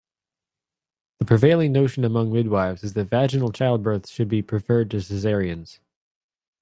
The prevailing notion among midwifes is that vaginal childbirths should be preferred to cesareans.